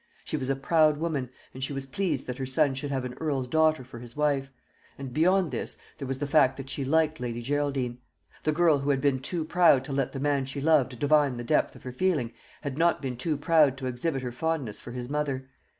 She was a proud woman, and she was pleased that her son should have an earl's daughter for his wife; and beyond this there was the fact that she liked Lady Geraldine. The girl who had been too proud to let the man she loved divine the depth of her feeling, had not been too proud to exhibit her fondness for his mother.